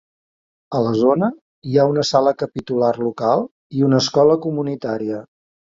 A la zona, hi ha una Sala Capitular local i una escola comunitària.